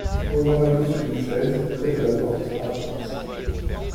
Posant l’habit sur une chaise, près de la porte à droite.